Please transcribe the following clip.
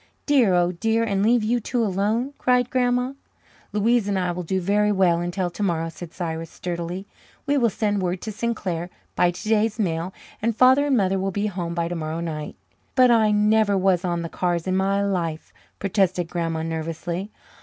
"Dear, oh dear, and leave you two alone!" cried Grandma. "Louise and I will do very well until tomorrow," said Cyrus sturdily. "We will send word to Sinclair by today's mail, and Father and Mother will be home by tomorrow night." "But I never was on the cars in my life," protested Grandma nervously.